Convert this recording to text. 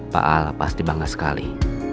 pak al pasti bangga sekali